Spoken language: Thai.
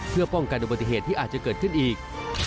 เพื่อป้องกันอุบัติเหตุที่อาจจะเกิดขึ้นอีก